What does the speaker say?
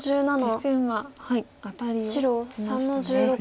実戦はアタリを打ちましたね。